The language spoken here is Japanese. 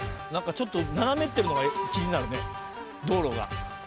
ちょっと斜めってるのが気になるね道路が。